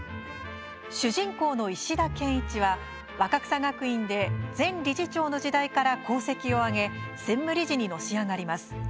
主人公の石田謙一は若草学院で前理事長の時代から功績を上げ専務理事に、のし上がります。